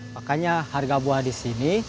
makanya harga buah disini